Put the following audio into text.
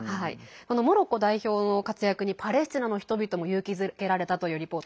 このモロッコ代表の活躍にパレスチナの人々も勇気づけられたというリポート